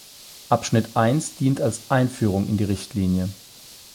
Abschnitt eins dient als Einführung in die Richtlinie.